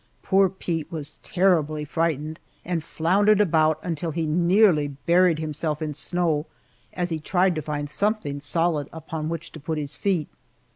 Poor Pete was terribly frightened, and floundered about until he nearly buried himself in snow as he tried to find something solid upon which to put his feet.